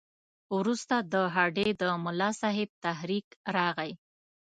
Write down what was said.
وروسته د هډې د ملاصاحب تحریک راغی.